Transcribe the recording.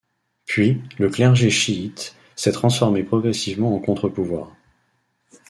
Puis, le clergé chiite s’est transformé progressivement en contre-pouvoir.